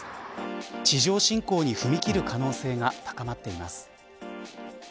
地上侵攻に踏み切る可能性が高まっています。